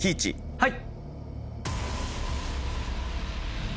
はい。